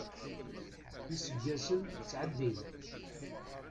Iseggasen ttɛeddin.